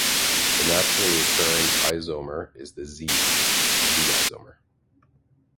The naturally occurring isomer is the Z, Z-isomer.